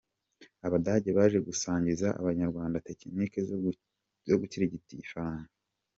Abadage baje gusangiza Abanyarwanda tekinike zo gukirigita ifaranga .